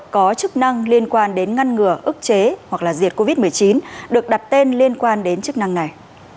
có chức năng liên quan đến ngăn ngừa ức chế hoặc là diệt covid một mươi chín được đặt tên liên quan đến chức năng này